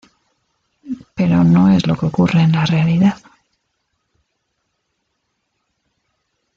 Pero no es lo que ocurre en la realidad.